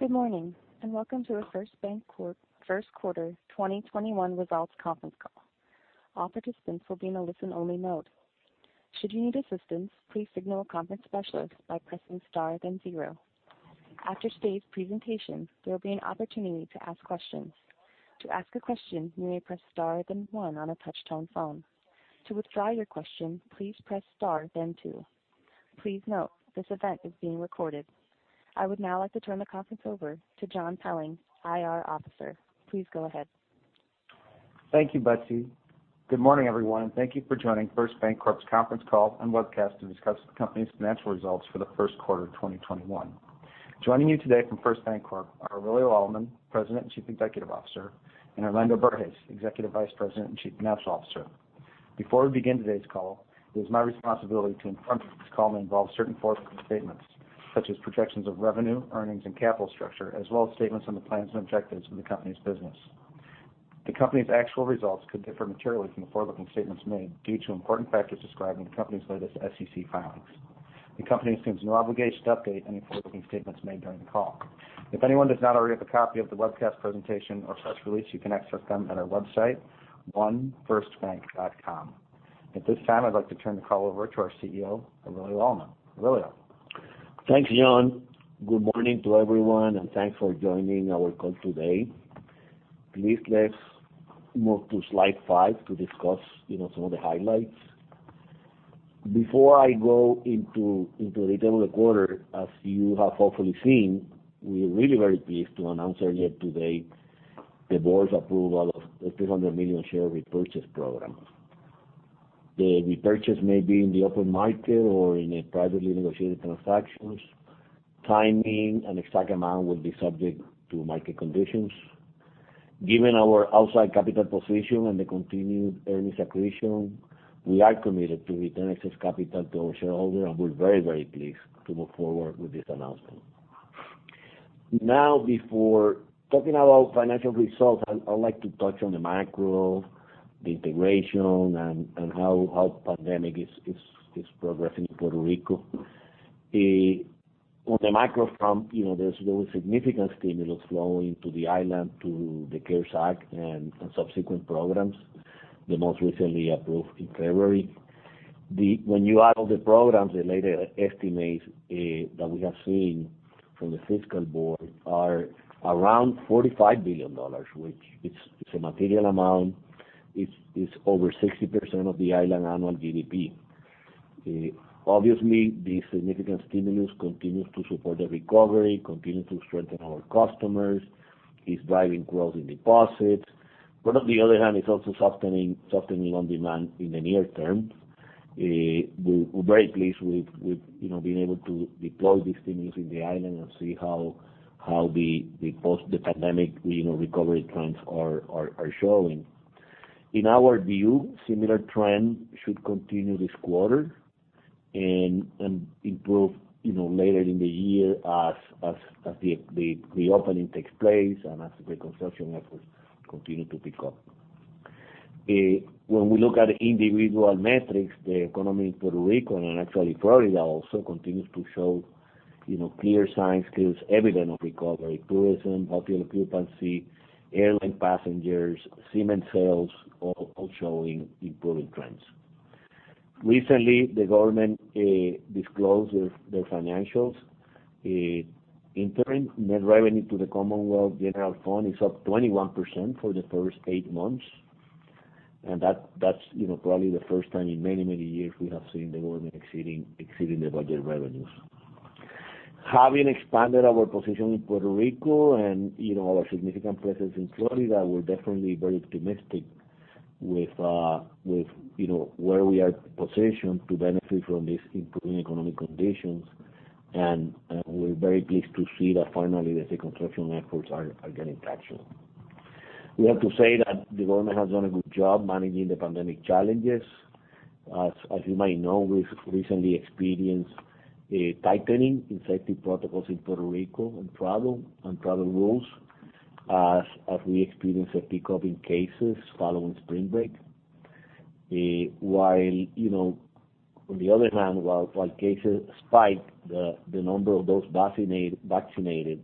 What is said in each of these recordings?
Good morning, and welcome to the First BanCorp first quarter 2021 results conference call. All participants will be in a listen-only mode. Should you need assistance, please signal a conference specialist by pressing star then zero. After today's presentation, there will be an opportunity to ask questions. To ask a question, you may press star then one on a touch-tone phone. To withdraw your question, please press star then two. Please note, this event is being recorded. I would now like to turn the conference over to John Pelling, IR Officer. Please go ahead. Thank you, Betsy. Good morning, everyone, and thank you for joining First BanCorp's conference call and webcast to discuss the company's financial results for the first quarter of 2021. Joining you today from First BanCorp are Aurelio Alemán, President and Chief Executive Officer, and Orlando Berges, Executive Vice President and Chief Financial Officer. Before we begin today's call, it is my responsibility to inform you that this call may involve certain forward-looking statements, such as projections of revenue, earnings, and capital structure, as well as statements on the plans and objectives of the company's business. The company's actual results could differ materially from the forward-looking statements made due to important factors described in the company's latest SEC filings. The company assumes no obligation to update any forward-looking statements made during the call. If anyone does not already have a copy of the webcast presentation or press release, you can access them at our website, 1firstbank.com. At this time, I'd like to turn the call over to our CEO, Aurelio Alemán. Aurelio. Thanks, John. Good morning to everyone. Thanks for joining our call today. Please let's move to slide five to discuss some of the highlights. Before I go into the detail of the quarter, as you have hopefully seen, we're really very pleased to announce earlier today the board's approval of a $300 million share repurchase program. The repurchase may be in the open market or in a privately negotiated transactions. Timing. Exact amount will be subject to market conditions. Given our outside capital position and the continued earnings accretion, we are committed to return excess capital to our shareholders. We're very pleased to move forward with this announcement. Now, before talking about financial results, I'd like to touch on the macro, the integration, and how pandemic is progressing in Puerto Rico. On the macro front, there's been significant stimulus flowing to the island through the CARES Act and subsequent programs, the most recently approved in February. When you add all the programs, the latest estimates that we have seen from the fiscal board are around $45 billion, which is a material amount. It's over 60% of the island annual GDP. Obviously, the significant stimulus continues to support the recovery, continues to strengthen our customers, is driving growth in deposits. On the other hand, it's also softening loan demand in the near term. We're very pleased with being able to deploy this stimulus in the island and see how the post-pandemic recovery trends are showing. In our view, similar trend should continue this quarter and improve later in the year as the reopening takes place and as the reconstruction efforts continue to pick up. When we look at individual metrics, the economy in Puerto Rico and actually Florida also continues to show clear signs, clear evidence of recovery. Tourism, hotel occupancy, airline passengers, cement sales, all showing improving trends. Recently, the government disclosed their financials. In turn, net revenue to the Commonwealth General Fund is up 21% for the first eight months. That's probably the first time in many, many years we have seen the government exceeding their budget revenues. Having expanded our position in Puerto Rico and our significant presence in Florida, we're definitely very optimistic with where we are positioned to benefit from these improving economic conditions. We're very pleased to see that finally the reconstruction efforts are getting traction. We have to say that the government has done a good job managing the pandemic challenges. As you might know, we've recently experienced a tightening in safety protocols in Puerto Rico on travel and travel rules as we experience a pickup in cases following spring break. On the other hand, while cases spike, the number of those vaccinated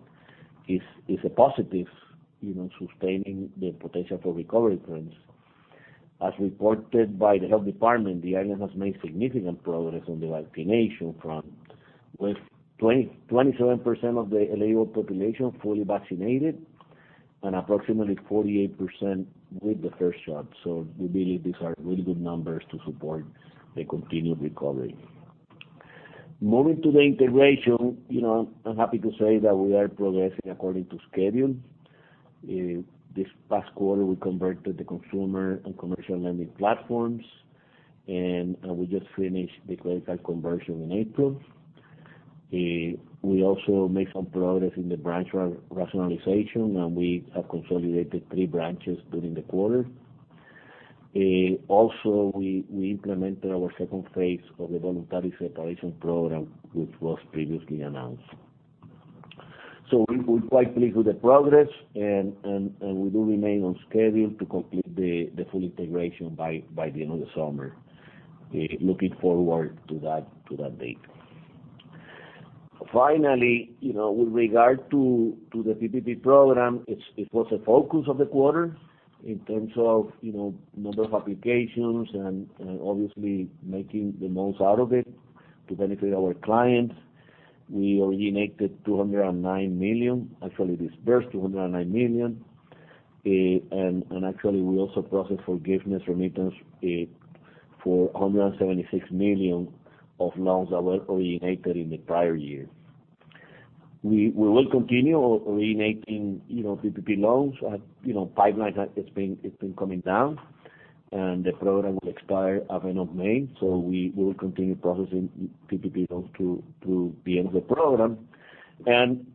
is a positive, sustaining the potential for recovery trends. As reported by the health department, the island has made significant progress on the vaccination front, with 27% of the eligible population fully vaccinated and approximately 48% with the first shot. We believe these are really good numbers to support the continued recovery. Moving to the integration, I'm happy to say that we are progressing according to schedule. This past quarter, we converted the consumer and commercial lending platforms, and we just finished the credit card conversion in April. We also made some progress in the branch rationalization, and we have consolidated three branches during the quarter. Also, we implemented our second phase of the voluntary separation program, which was previously announced. We're quite pleased with the progress, and we do remain on schedule to complete the full integration by the end of the summer. Looking forward to that date. Finally, with regard to the PPP program, it was a focus of the quarter in terms of number of applications and obviously making the most out of it to benefit our clients. We originated $209 million, actually disbursed $209 million. Actually, we also processed forgiveness remittance for $176 million of loans that were originated in the prior year. We will continue originating PPP loans. Pipeline, it's been coming down, and the program will expire at the end of May, so we will continue processing PPP loans through the end of the program.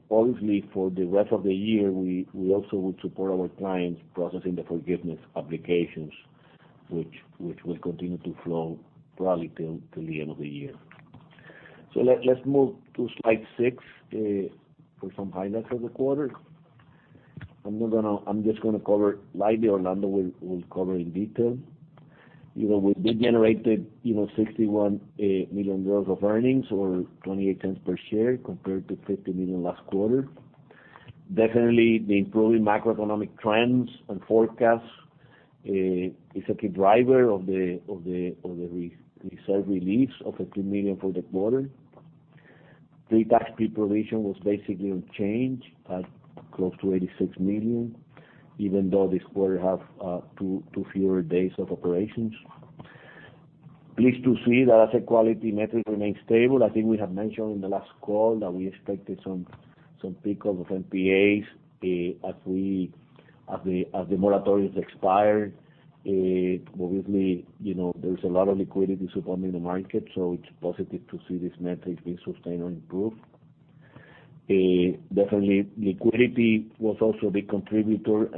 Obviously, for the rest of the year, we also will support our clients processing the forgiveness applications, which will continue to flow probably till the end of the year. Let's move to slide six for some highlights of the quarter. I'm just going to cover lightly. Orlando will cover in detail. We did generate $61 million of earnings, or $0.28 per share, compared to $50 million last quarter. Definitely, the improving macroeconomic trends and forecasts is a key driver of the reserve release of $50 million for the quarter. Pretax pre-provision was basically unchanged at close to $86 million, even though this quarter had two fewer days of operations. Pleased to see the asset quality metric remains stable. I think we have mentioned in the last call that we expected some pickup of NPAs as the moratoriums expired. Obviously, there is a lot of liquidity support in the market, so it's positive to see these metrics being sustained and improved. Definitely, liquidity was also a big contributor.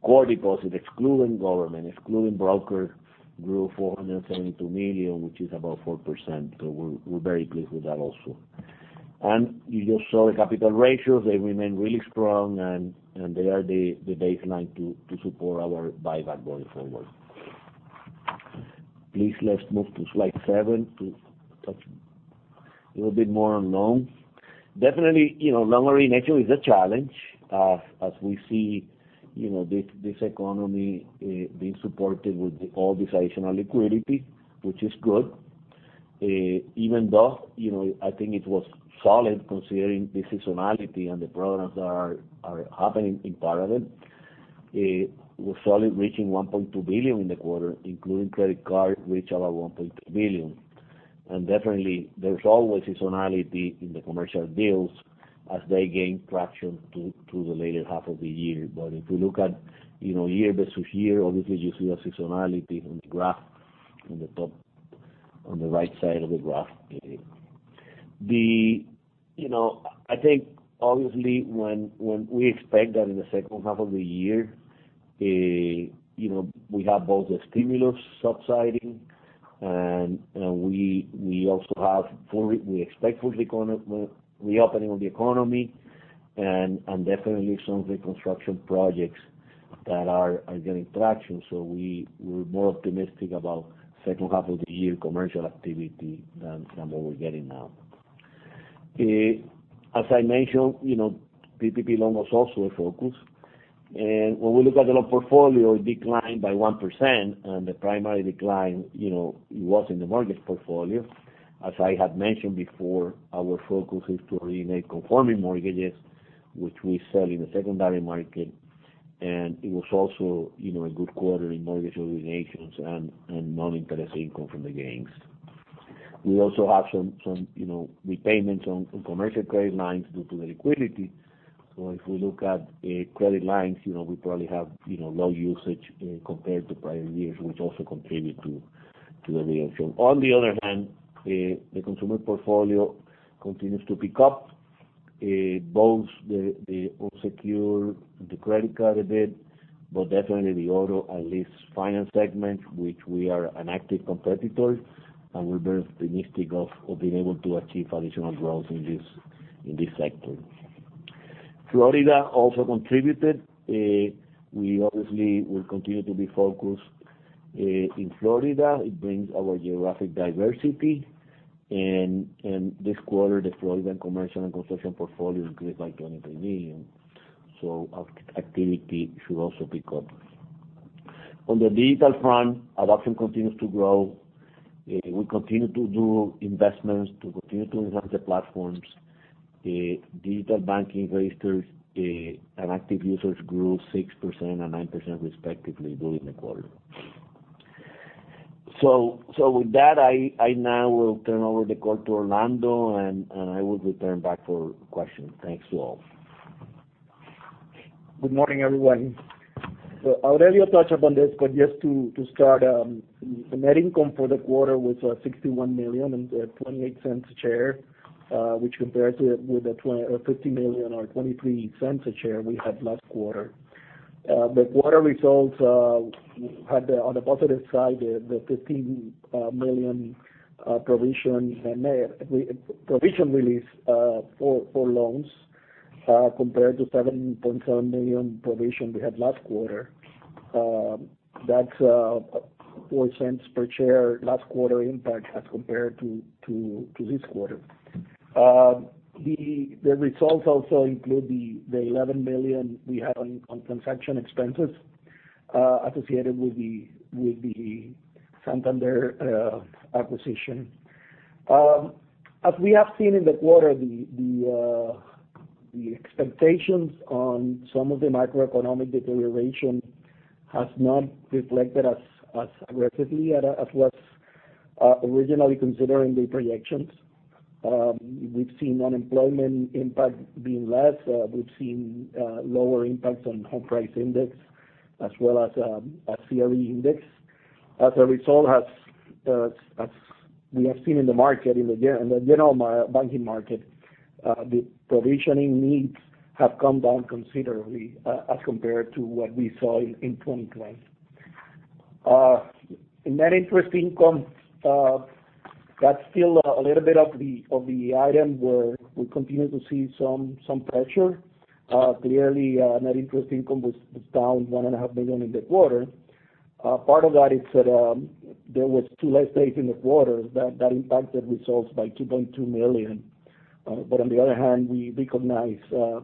Core deposits, excluding government, excluding broker, grew $472 million, which is about 4%, so we're very pleased with that also. You just saw the capital ratios. They remain really strong, and they are the baseline to support our buyback going forward. Please, let's move to slide seven to talk a little bit more on loans. Definitely, loan origination is a challenge as we see this economy being supported with all this additional liquidity, which is good. Even though I think it was solid considering the seasonality and the programs that are happening in part of it, was solid, reaching $1.2 billion in the quarter, including credit card, which are $1.2 billion. Definitely, there's always seasonality in the commercial deals as they gain traction through the later half of the year. If we look at year versus year, obviously, you see a seasonality on the graph on the right side of the graph. I think obviously we expect that in the second half of the year, we have both the stimulus subsiding, and we expect full reopening of the economy and definitely some of the construction projects that are getting traction. We're more optimistic about second half of the year commercial activity than what we're getting now. As I mentioned, PPP loan was also a focus. When we look at the loan portfolio, it declined by 1%, and the primary decline was in the mortgage portfolio. As I have mentioned before, our focus is to originate conforming mortgages, which we sell in the secondary market. It was also a good quarter in mortgage originations and non-interest income from the gains. We also have some repayments on commercial credit lines due to the liquidity. If we look at credit lines, we probably have low usage compared to prior years, which also contribute to the reduction. On the other hand, the consumer portfolio continues to pick up, both the unsecured, the credit card a bit, but definitely the auto and lease finance segments, which we are an active competitor, and we're very optimistic of being able to achieve additional growth in this sector. Florida also contributed. We obviously will continue to be focused in Florida. It brings our geographic diversity, and this quarter, the Florida commercial and construction portfolio increased by $23 million. Activity should also pick up. On the digital front, adoption continues to grow. We continue to do investments to continue to enhance the platforms. Digital banking registers and active users grew 6% and 9% respectively during the quarter. With that, I now will turn over the call to Orlando, and I will return back for questions. Thanks to all. Good morning, everyone. Aurelio touched upon this, but just to start, the net income for the quarter was $61 million and $0.28 a share, which compared with the $50 million or $0.23 a share we had last quarter. The quarter results had on the positive side, the $15 million provision release for loans compared to $7.7 million provision we had last quarter. That's $0.04 per share last quarter impact as compared to this quarter. The results also include the $11 million we had on transaction expenses associated with the Santander acquisition. As we have seen in the quarter, the expectations on some of the macroeconomic deterioration has not reflected as aggressively as was originally considered in the projections. We've seen unemployment impact being less. We've seen lower impacts on home price index as well as CRE index. As a result, as we have seen in the market, in the general banking market, the provisioning needs have come down considerably as compared to what we saw in 2020. Net interest income, that's still a little bit of the item where we continue to see some pressure. Net interest income was down $1.5 million in the quarter. Part of that is that there was two less days in the quarter that impacted results by $2.2 million. On the other hand, we recognize our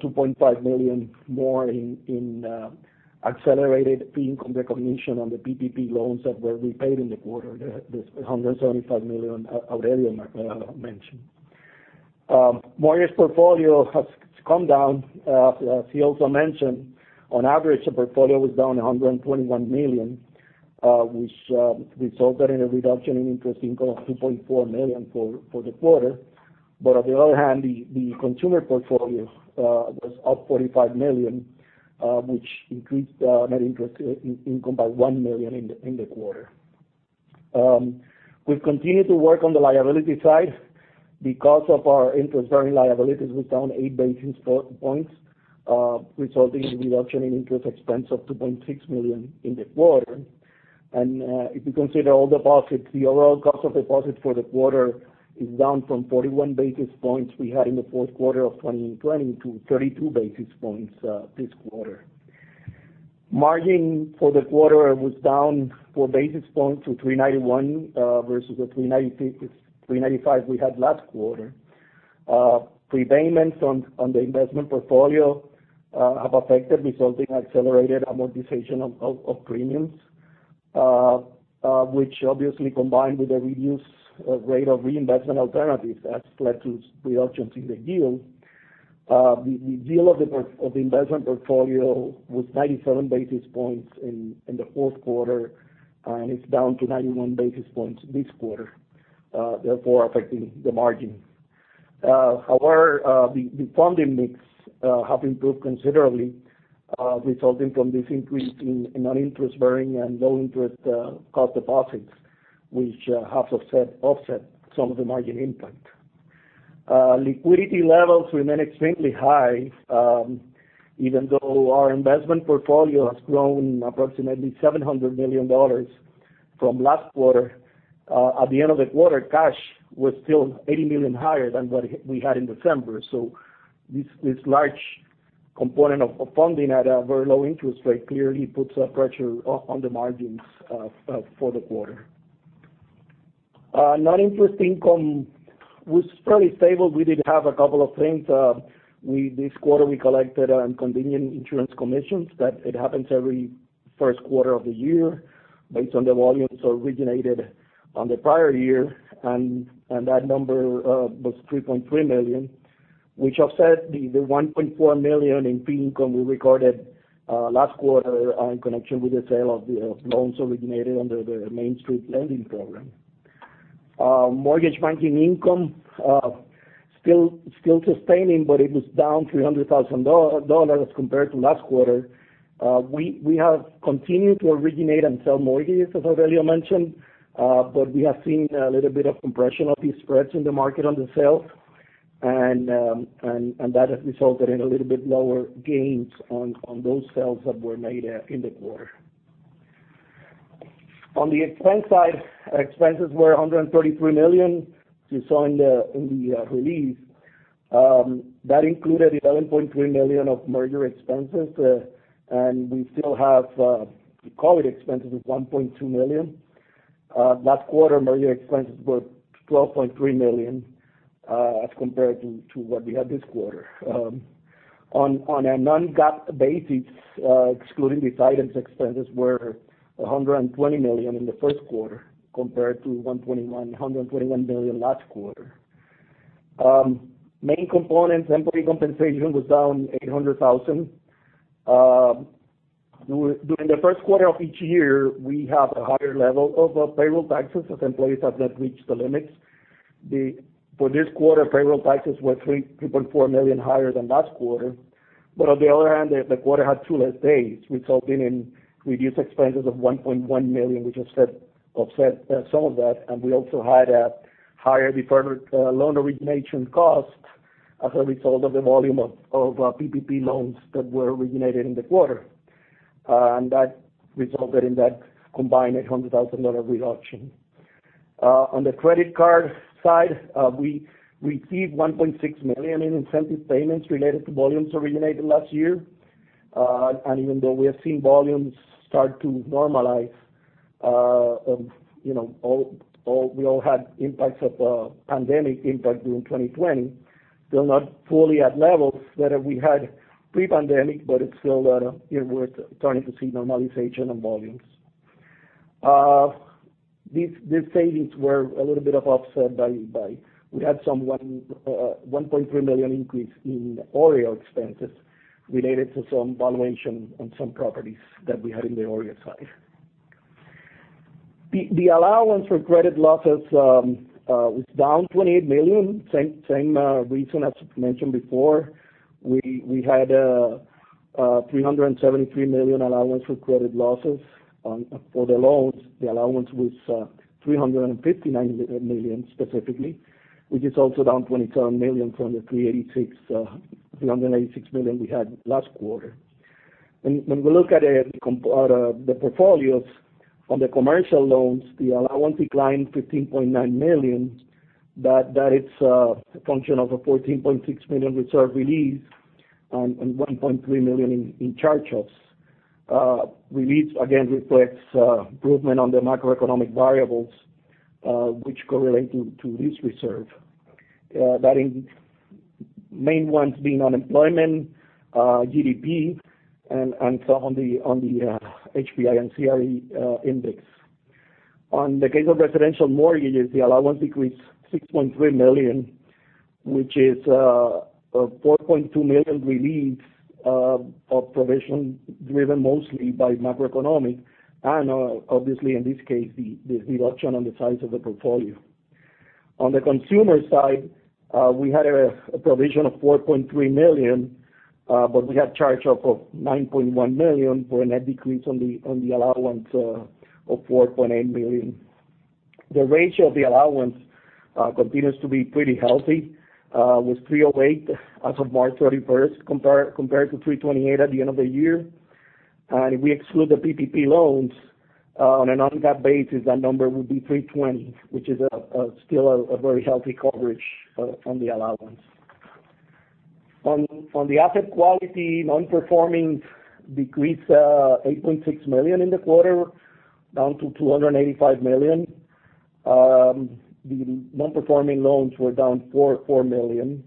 $2.5 million more in accelerated fee income recognition on the PPP loans that were repaid in the quarter, the $175 million Aurelio mentioned. Mortgages portfolio has come down. As he also mentioned, on average, the portfolio was down $121 million which resulted in a reduction in interest income of $2.4 million for the quarter. On the other hand, the consumer portfolio was up $45 million which increased net interest income by $1 million in the quarter. We've continued to work on the liability side. Because of our interest-bearing liabilities was down eight basis points resulting in a reduction in interest expense of $2.6 million in the quarter. If you consider all deposits, the overall cost of deposits for the quarter is down from 41 basis points we had in the fourth quarter of 2020 to 32 basis points this quarter. Margin for the quarter was down four basis points to 391 versus the 395 we had last quarter. Prepayments on the investment portfolio have affected resulting accelerated amortization of premiums which obviously combined with a reduced rate of reinvestment alternatives has led to reductions in the yield. The yield of the investment portfolio was 97 basis points in the fourth quarter, and it's down to 91 basis points this quarter therefore affecting the margin. However, the funding mix have improved considerably resulting from this increase in non-interest bearing and low interest cost deposits which have offset some of the margin impact. Liquidity levels remain extremely high even though our investment portfolio has grown approximately $700 million from last quarter. At the end of the quarter, cash was still $80 million higher than what we had in December. This large component of funding at a very low interest rate clearly puts a pressure on the margins for the quarter. Non-interest income was fairly stable. We did have a couple of things. This quarter, we collected contingent insurance commissions that it happens every first quarter of the year based on the volumes originated on the prior year, and that number was $3.3 million which offset the $1.4 million in fee income we recorded last quarter in connection with the sale of loans originated under the Main Street Lending Program. Mortgage banking income still sustaining, but it was down $300,000 as compared to last quarter. We have continued to originate and sell mortgages, as Aurelio mentioned, but we have seen a little bit of compression of these spreads in the market on the sale, and that has resulted in a little bit lower gains on those sales that were made in the quarter. On the expense side, expenses were $133 million as you saw in the release. That included $11.3 million of merger expenses, and we still have COVID expenses of $1.2 million. Last quarter, merger expenses were $12.3 million as compared to what we had this quarter. On a non-GAAP basis excluding these items, expenses were $120 million in the first quarter compared to $121 million last quarter. Main components, employee compensation was down $800,000. During the first quarter of each year, we have a higher level of payroll taxes as employees have not reached the limits. For this quarter, payroll taxes were $3.4 million higher than last quarter. On the other hand, the quarter had two less days resulting in reduced expenses of $1.1 million which offset some of that. We also had a higher deferred loan origination cost as a result of the volume of PPP loans that were originated in the quarter. That resulted in that combined $800,000 reduction. On the credit card side, we received $1.6 million in incentive payments related to volumes originated last year. Even though we are seeing volumes start to normalize, we all had impacts of pandemic impact during 2020. Still not fully at levels that we had pre-pandemic, but it's still we're starting to see normalization of volumes. These savings were a little bit offset by, we had some $1.3 million increase in OREO expenses related to some valuation on some properties that we had in the OREO side. The allowance for credit losses was down $28 million. Same reason as mentioned before. We had a $373 million allowance for credit losses for the loans. The allowance was $359 million specifically, which is also down $27 million from the $386 million we had last quarter. When we look at the portfolios on the commercial loans, the allowance declined $15.9 million, but that is a function of a $14.6 million reserve release and $1.3 million in charge-offs. Release, again, reflects improvement on the macroeconomic variables which correlate to this reserve. That main ones being unemployment, GDP, and so on the HPI and CRE index. On the case of residential mortgages, the allowance decreased $6.3 million, which is a $4.2 million release of provision driven mostly by macroeconomic and obviously in this case, the reduction on the size of the portfolio. On the consumer side, we had a provision of $4.3 million, but we had charge-off of $9.1 million for a net decrease on the allowance of $4.8 million. The ratio of the allowance continues to be pretty healthy, was 308 as of March 31st, compared to 328 at the end of the year. If we exclude the PPP loans, on an non-GAAP basis, that number would be 320, which is still a very healthy coverage on the allowance. On the asset quality, non-performing decreased $8.6 million in the quarter, down to $285 million. The non-performing loans were down $4 million.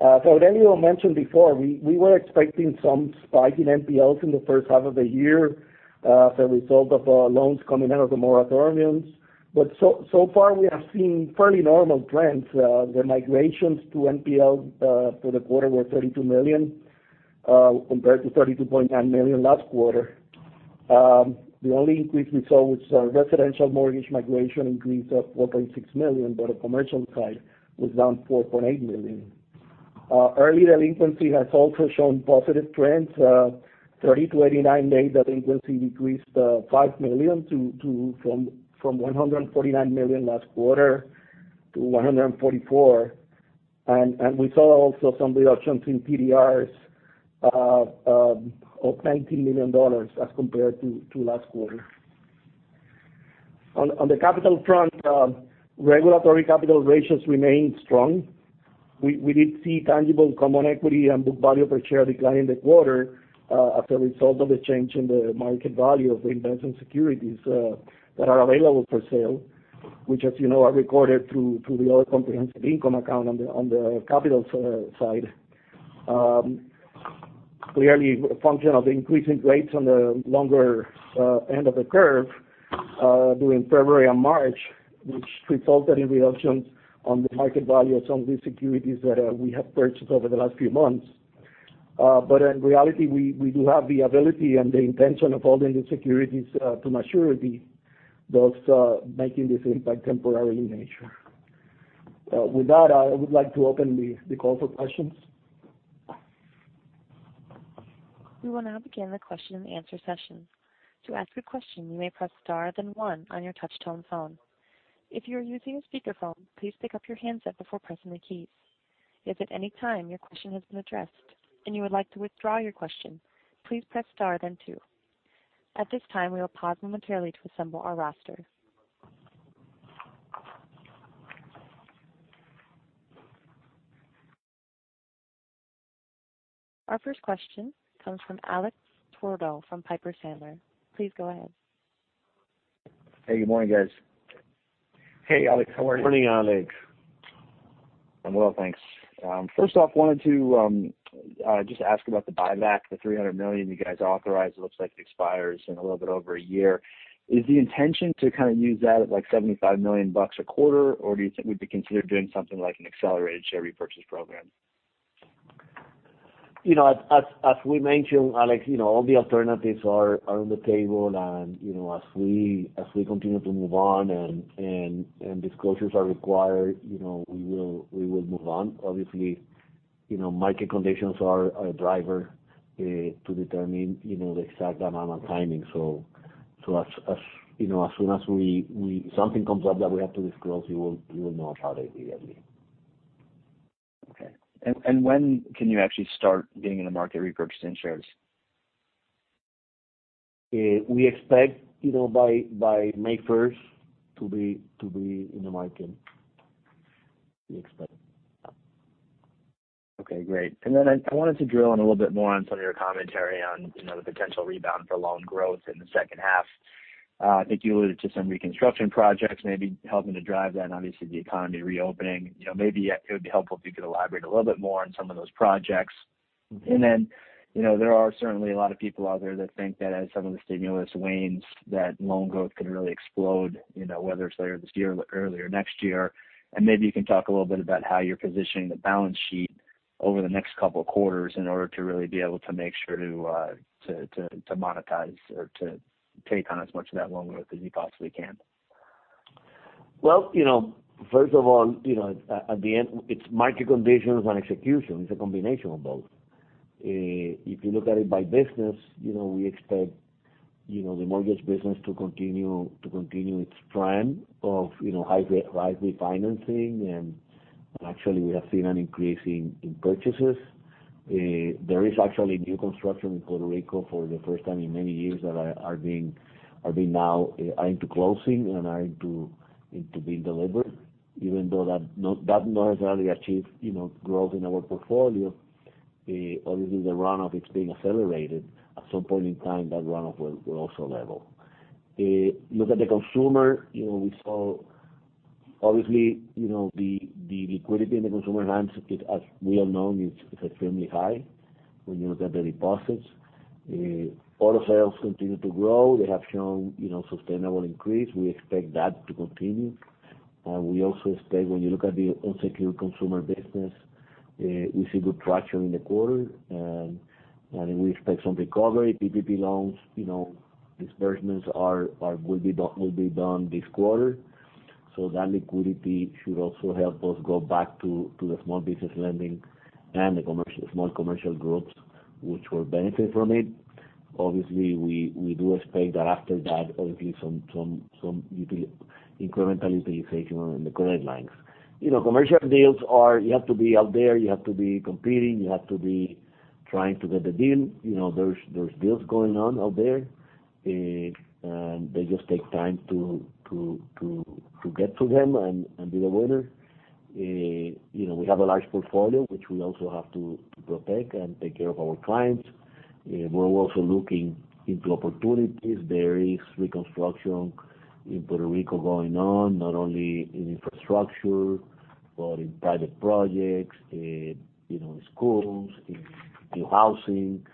As Aurelio Alemán mentioned before, we were expecting some spike in NPLs in the first half of the year as a result of loans coming out of the moratoriums. So far, we have seen fairly normal trends. The migrations to NPL for the quarter were $32 million compared to $32.9 million last quarter. The only increase we saw was residential mortgage migration increased at $4.6 million, but the commercial side was down $4.8 million. Early delinquency has also shown positive trends. 30 to 89-day delinquency decreased $5 million from $149 million last quarter to $144 million. We saw also some reductions in TDRs of $19 million as compared to last quarter. On the capital front, regulatory capital ratios remain strong. We did see tangible common equity and book value per share decline in the quarter as a result of the change in the market value of the investment securities that are available for sale, which as you know, are recorded through the other comprehensive income account on the capital side. Clearly a function of the increasing rates on the longer end of the curve during February and March, which resulted in reductions on the market value of some of these securities that we have purchased over the last few months. In reality, we do have the ability and the intention of holding the securities to maturity, thus making this impact temporary in nature. With that, I would like to open the call for questions. We will now begin question and answer session. To ask a question you may press star then one on your touch-tone phone. If you are using a speaker phone, please pick up your handset before pressing the key. If at any time your question is addressed, and you wish to withdraw your question, please press star the two. At this time we will pause momentarily for duty roster. Our first question comes from Alex Twerdahl from Piper Sandler. Please go ahead. Hey, good morning, guys. Hey, Alex, how are you? Morning, Alex. I'm well, thanks. First off, wanted to just ask about the buyback, the $300 million you guys authorized. It looks like it expires in a little bit over a year. Is the intention to kind of use that at like $75 million bucks a quarter? Do you think we'd be considered doing something like an accelerated share repurchase program? As we mentioned, Alex, all the alternatives are on the table as we continue to move on and disclosures are required, we will move on. Obviously, market conditions are a driver to determine the exact amount and timing. As soon as something comes up that we have to disclose, you will know about it immediately. Okay. When can you actually start being in the market repurchasing shares? We expect by May 1st to be in the market. We expect. Okay, great. I wanted to drill in a little bit more on some of your commentary on the potential rebound for loan growth in the second half. I think you alluded to some reconstruction projects maybe helping to drive that, and obviously the economy reopening. Maybe it would be helpful if you could elaborate a little bit more on some of those projects. There are certainly a lot of people out there that think that as some of the stimulus wanes, that loan growth could really explode, whether it's later this year or earlier next year. Maybe you can talk a little bit about how you're positioning the balance sheet over the next couple of quarters in order to really be able to make sure to monetize or to take on as much of that loan growth as you possibly can. Well, first of all, at the end, it's market conditions and execution. It's a combination of both. If you look at it by business, we expect the mortgage business to continue its trend of high refinancing, and actually we have seen an increase in purchases. There is actually new construction in Puerto Rico for the first time in many years that are being now into closing and into being delivered. Even though that not necessarily achieved growth in our portfolio, obviously the runoff is being accelerated. At some point in time, that runoff will also level. Look at the consumer, we saw obviously, the liquidity in the consumer hands, as we all know, is extremely high when you look at the deposits. Auto sales continue to grow. They have shown sustainable increase. We expect that to continue. We also expect when you look at the unsecured consumer business, we see good traction in the quarter, and we expect some recovery. PPP loans disbursements will be done this quarter. That liquidity should also help us go back to the small business lending and the small commercial groups which will benefit from it. Obviously, we do expect that after that, obviously some incremental utilization on the credit lines. Commercial deals are you have to be out there, you have to be competing, you have to be trying to get the deal. There's deals going on out there. They just take time to get to them and be the winner. We have a large portfolio, which we also have to protect and take care of our clients. We're also looking into opportunities. There is reconstruction in Puerto Rico going on, not only in infrastructure, but in private projects, in schools, in new housing.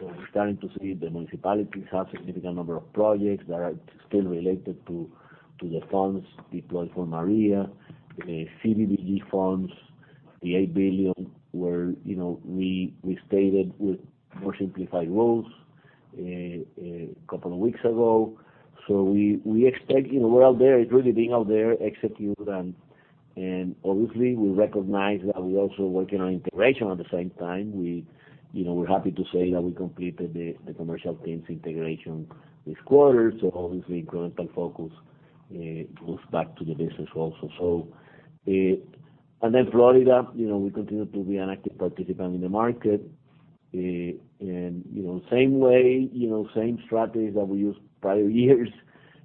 We're starting to see the municipalities have significant number of projects that are still related to the funds deployed for Maria, CDBG funds, the $8 billion were reinstated with more simplified rules a couple of weeks ago. We expect, we're out there. It's really being out there, execute, and obviously we recognize that we're also working on integration at the same time. We're happy to say that we completed the commercial teams integration this quarter, so obviously incremental focus goes back to the business also. Florida, we continue to be an active participant in the market, and same way, same strategy that we used prior years.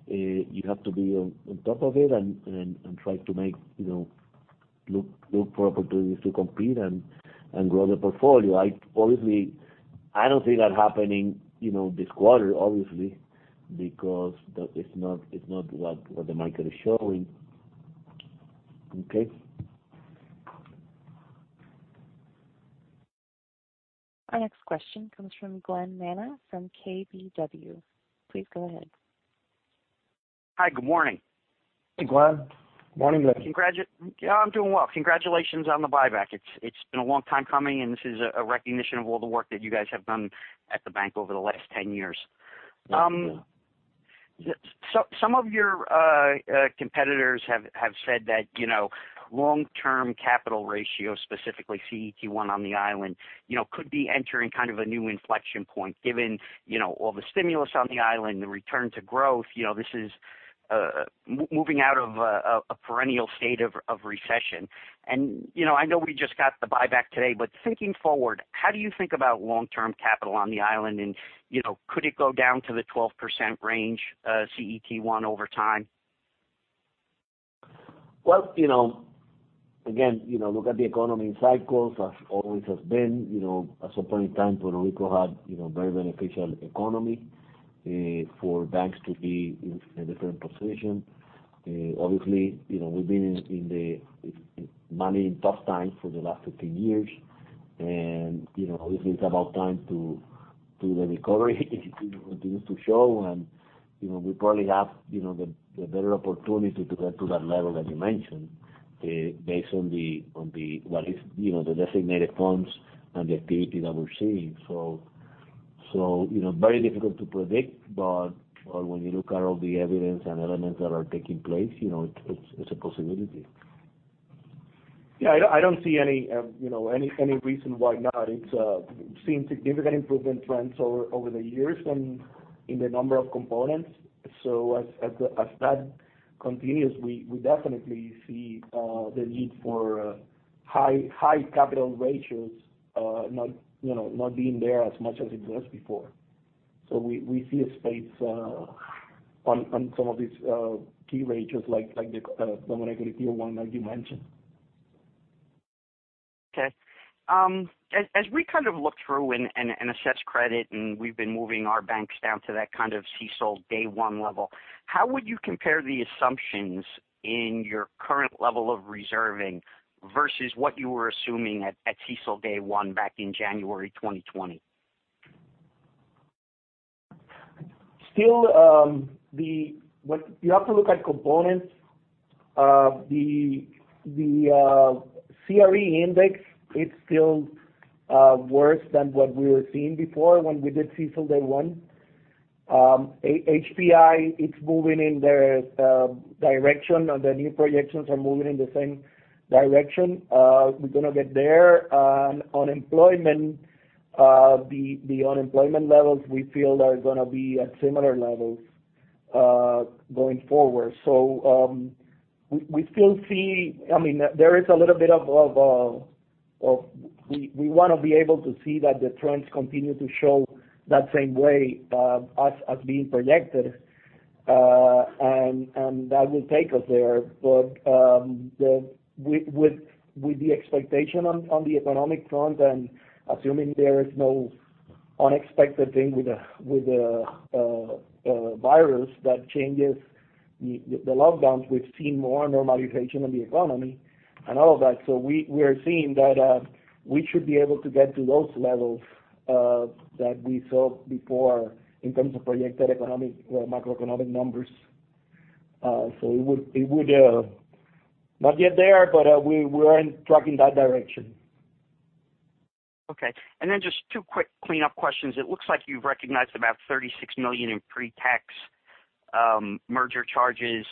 You have to be on top of it and try to look for opportunities to compete and grow the portfolio. Obviously, I don't see that happening this quarter, obviously, because that is not what the market is showing. Okay. Our next question comes from Glen Manna from KBW. Please go ahead. Hi, good morning. Hey, Glen. Morning, Glen. Yeah, I'm doing well. Congratulations on the buyback. It's been a long time coming, and this is a recognition of all the work that you guys have done at the bank over the last 10 years. Thank you. Some of your competitors have said that long-term capital ratio, specifically CET1 on the island, could be entering kind of a new inflection point given all the stimulus on the island, the return to growth. This is moving out of a perennial state of recession. I know we just got the buyback today, but thinking forward, how do you think about long-term capital on the island and, could it go down to the 12% range CET1 over time? Well, again, look at the economy in cycles, as always has been. At some point in time, Puerto Rico had very beneficial economy for banks to be in a different position. Obviously, we've been managing tough times for the last 15 years, and obviously it's about time to the recovery to show, and we probably have the better opportunity to get to that level as you mentioned, based on the designated funds and the activity that we're seeing. Very difficult to predict, but when you look at all the evidence and elements that are taking place, it's a possibility. Yeah, I don't see any reason why not. It's seen significant improvement trends over the years in the number of components. As that continues, we definitely see the need for high capital ratios not being there as much as it was before. We see a space on some of these key ratios, like the common equity tier one that you mentioned. Okay. As we kind of look through and assess credit, and we've been moving our banks down to that kind of CECL Day One level, how would you compare the assumptions in your current level of reserving versus what you were assuming at CECL Day One back in January 2020? You have to look at components. The CRE index, it's still worse than what we were seeing before when we did CECL Day One. HPI, it's moving in the direction, or the new projections are moving in the same direction. We're going to get there. Unemployment, the unemployment levels we feel are going to be at similar levels going forward. We still see there is a little bit of we want to be able to see that the trends continue to show that same way as being projected, and that will take us there. With the expectation on the economic front and assuming there is no unexpected thing with the virus that changes the lockdowns, we've seen more normalization of the economy and all of that. We are seeing that we should be able to get to those levels that we saw before in terms of projected economic or macroeconomic numbers. It would not get there, but we are tracking that direction. Okay. Just two quick cleanup questions. It looks like you've recognized about $36 million in pre-tax merger charges.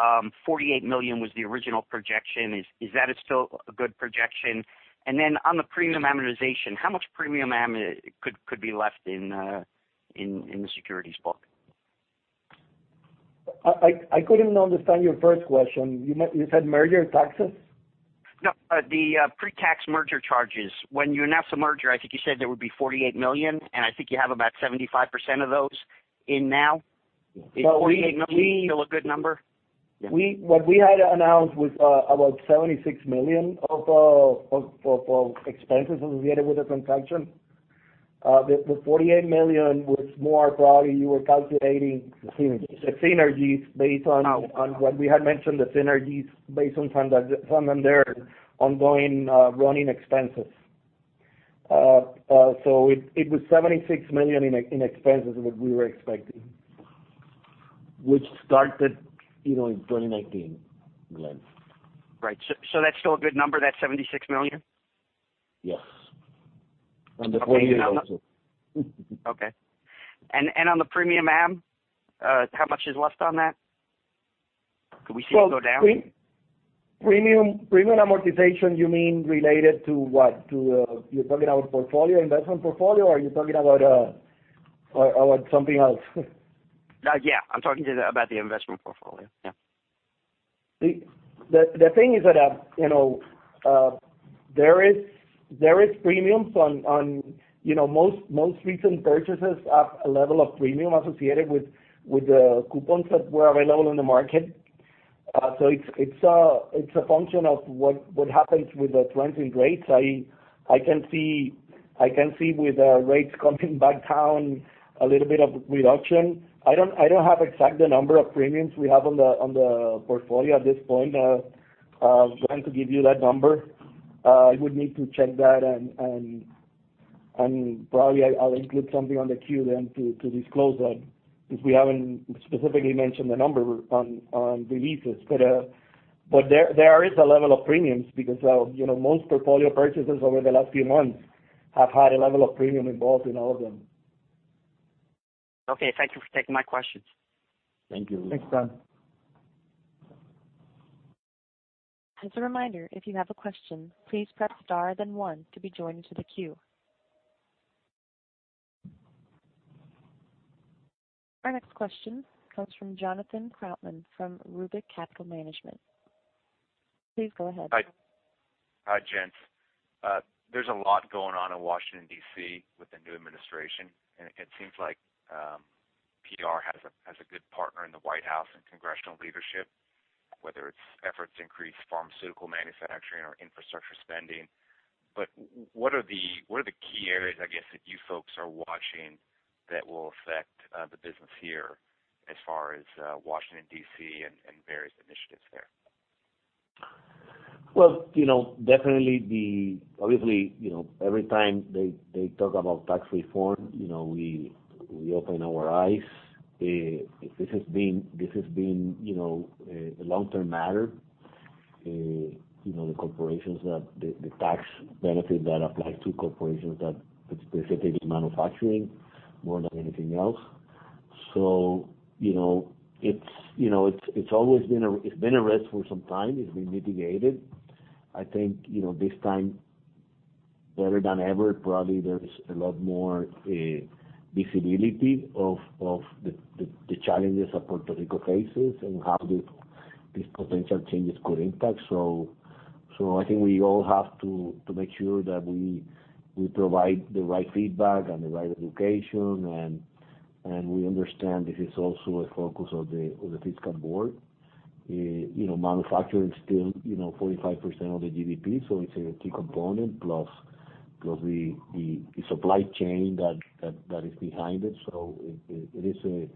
$48 million was the original projection. Is that still a good projection? On the premium amortization, how much premium am could be left in the securities book? I couldn't understand your first question. You said merger taxes? No, the pre-tax merger charges. When you announced the merger, I think you said there would be $48 million, and I think you have about 75% of those in now. Is $48 million still a good number? What we had announced was about $76 million of expenses associated with the transaction. The $48 million was more probably you were calculating the synergies. what we had mentioned, the synergies based on some of their ongoing running expenses. It was $76 million in expenses that we were expecting, which started in 2019, Glen. Right. That's still a good number, that $76 million? Yes. The $48 million also. Okay. On the premium am, how much is left on that? Could we see it go down? Premium amortization, you mean related to what? You're talking about portfolio, investment portfolio, or are you talking about something else? Yeah. I'm talking about the investment portfolio. Yeah. The thing is that there is premiums on most recent purchases at a level of premium associated with the coupons that were available in the market. It's a function of what happens with the trends in rates. I can see with rates coming back down, a little bit of reduction. I don't have exact the number of premiums we have on the portfolio at this point. Glen, to give you that number, I would need to check that, and probably I'll include something on the Q then to disclose that, because we haven't specifically mentioned the number on releases. There is a level of premiums because most portfolio purchases over the last few months have had a level of premium involved in all of them. Okay. Thank you for taking my questions. Thank you. Thanks, Glen. As a reminder, if you have a question, please press star then one to be joined into the queue. Our next question comes from Jonathan Krautmann from Rubric Capital Management. Please go ahead. Hi. Hi, gents. There's a lot going on in Washington, D.C. with the new administration, and it seems like PR has a good partner in the White House and congressional leadership, whether it's efforts to increase pharmaceutical manufacturing or infrastructure spending. What are the key areas, I guess, that you folks are watching that will affect the business here as far as Washington, D.C. and various initiatives there? Well, definitely, obviously, every time they talk about tax reform, we open our eyes. This has been a long-term matter. The tax benefit that applied to corporations, specifically manufacturing more than anything else. It's been a risk for some time. It's been mitigated. I think this time Better than ever. Probably there's a lot more visibility of the challenges that Puerto Rico faces and how these potential changes could impact. I think we all have to make sure that we provide the right feedback and the right education, and we understand this is also a focus of the Fiscal Board. Manufacturing is still 45% of the GDP, it's a key component, plus the supply chain that is behind it. It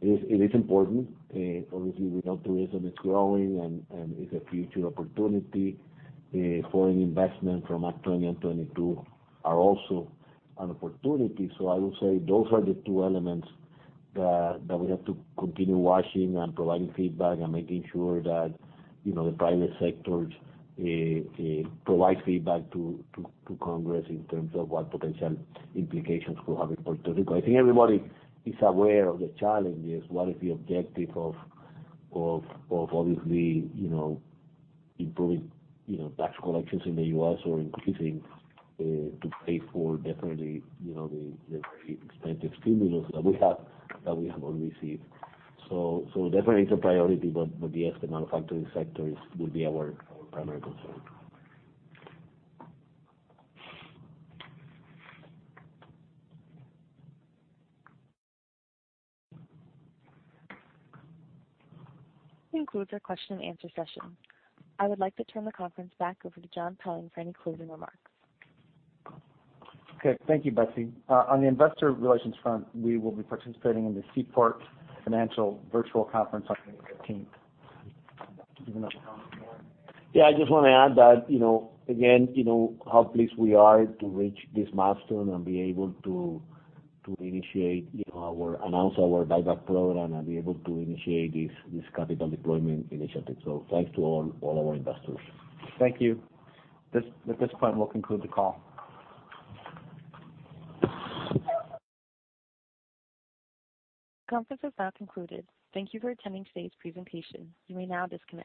is important. Obviously, we know tourism is growing and is a future opportunity. Foreign investment from Act 20 and Act 22 are also an opportunity. I would say those are the two elements that we have to continue watching and providing feedback and making sure that the private sectors provide feedback to Congress in terms of what potential implications could have in Puerto Rico. I think everybody is aware of the challenges. What is the objective of obviously improving tax collections in the U.S. or increasing to pay for definitely the very expensive stimulus that we have all received. Definitely it's a priority, but yes, the manufacturing sector will be our primary concern. This concludes our question and answer session. I would like to turn the conference back over to John Pelling for any closing remarks. Okay. Thank you, Betsy. On the investor relations front, we will be participating in the Seaport Financial Virtual Conference on the 15th. Do you want to comment more? Yeah, I just want to add that, again, how pleased we are to reach this milestone and be able to announce our buyback program and be able to initiate this capital deployment initiative. Thanks to all our investors. Thank you. At this point, we'll conclude the call. The conference is now concluded. Thank you for attending today's presentation. You may now disconnect.